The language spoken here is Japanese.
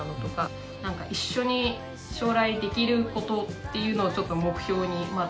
なんか一緒に将来できることっていうのをちょっと目標にまあ